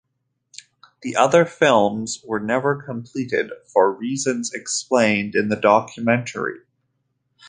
The other films were never completed for reasons explained in the documentary.